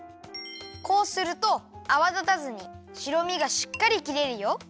こうするとあわだたずに白身がしっかり切れるよ。